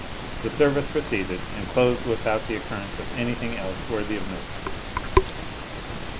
The service proceeded, and closed without the occurrence of anything else worthy of notice.